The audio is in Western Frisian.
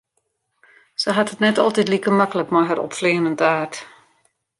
Se hat it net altyd like maklik mei har opfleanende aard.